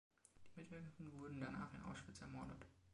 Die Mitwirkenden wurden danach in Auschwitz ermordet.